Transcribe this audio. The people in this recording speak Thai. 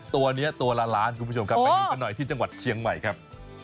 ตัวนี้ตัวละล้านคุณผู้ชมครับไปดูกันหน่อยที่จังหวัดเชียงใหม่ครับ